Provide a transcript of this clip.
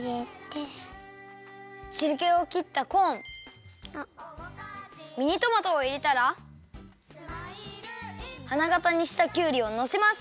しるけをきったコーンミニトマトをいれたらはながたにしたきゅうりをのせます。